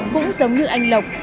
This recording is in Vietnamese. cũng giống như anh lộc